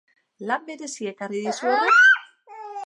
Lan berezia ekarri dizu horrek?